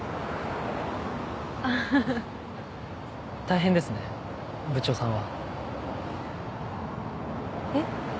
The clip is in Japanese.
大変ですね部長さんは。えっ？